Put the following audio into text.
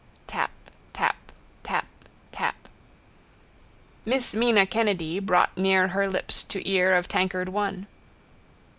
Tap. Tap. Tap. Tap. Miss Mina Kennedy brought near her lips to ear of tankard one.